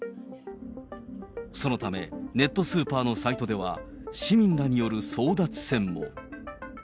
そのため、ネットスーパーのサイトでは、市民らによる争奪戦も。